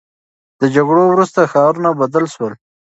د جګړو وروسته ښارونه بدل سول.